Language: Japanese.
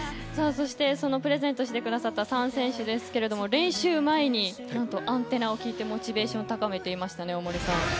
プレゼントしてくださった３選手ですが練習前に何と「ＡＮＴＥＮＮＡ」を聴いてモチベーションを高めていましたね、大森さん。